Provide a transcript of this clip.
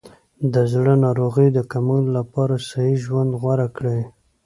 د زړه ناروغیو د کمولو لپاره صحي ژوند غوره کړئ.